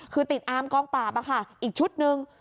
คือติดอามกองปราบอีกชุดหนึ่ง